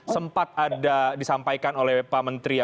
sempat ada disampaikan oleh pak menteri